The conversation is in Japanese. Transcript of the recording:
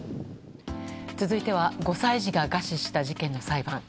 続いては５歳児が餓死した事件の裁判。